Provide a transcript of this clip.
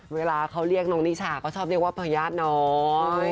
เวลาเขาเรียกน้องนิชาก็ชอบเรียกว่าพญาติน้อย